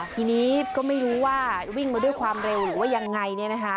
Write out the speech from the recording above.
ทีนี้ก็ไม่รู้ว่าวิ่งมาด้วยความเร็วหรือว่ายังไง